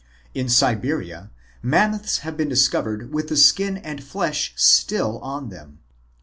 In Siberia, Mammoths have been dis covered with the skin and flesh still on them.